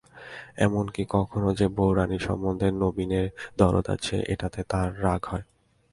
এমন-কি, এখনো যে বউরানী সম্বন্ধে নবীনের দরদ আছে, এটাতে তার রাগ হয়।